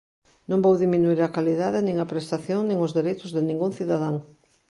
Non vou diminuír a calidade nin a prestación nin os dereitos de ningún cidadán.